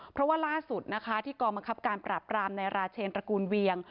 เพราะว่าล่าสุดนะคะที่กองบังคับการปราบรามในราเชนตระกูลเวียง